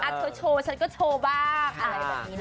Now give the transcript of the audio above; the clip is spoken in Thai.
เธอโชว์ฉันก็โชว์บ้าง